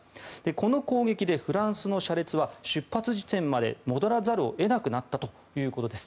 この攻撃でフランスの車列は出発時点まで戻らざるを得なくなったということです。